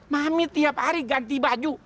mami tiap hari ganti baju